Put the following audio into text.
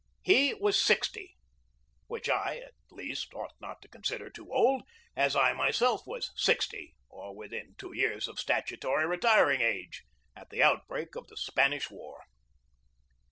He was sixty; which I, at least, ought not to consider too old, as I myself was sixty, or within two years of statutory retiring age, at the outbreak of the Span ish War.